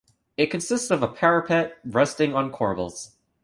It consists of a parapet resting on corbels.